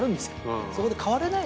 そこで。